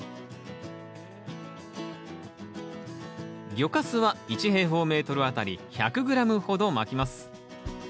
魚かすは１あたり１００ｇほどまきます。